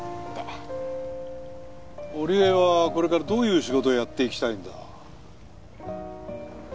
織枝はこれからどういう仕事をやっていきたいんだ？